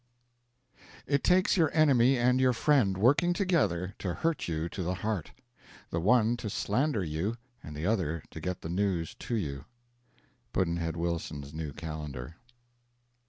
It takes your enemy and your friend, working together, to hurt you to the heart; the one to slander you and the other to get the news to you. Pudd'nhead Wilson's New Calendar.